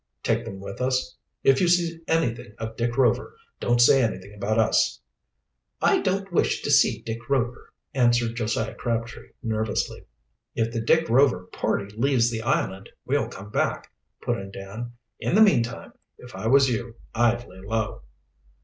"Take them with us. If you see anything of Dick Rover, don't say anything about us." "I don't wish to see Dick Rover," answered Josiah Crabtree nervously. "If the Dick Rover party leaves the island, we'll come back," put in Dan. "In the meantime, if I was you, I'd lay low."